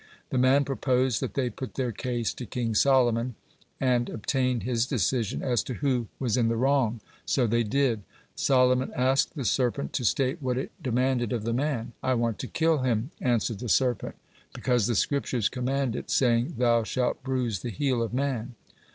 The man proposed that they put their case to King Solomon, and obtain his decision as to who was in the wrong. So they did. Solomon asked the serpent to state what it demanded of the man. "I want to kill him," answered the serpent, "because the Scriptures command it, saying: 'Thou shalt bruise the heel of man.'"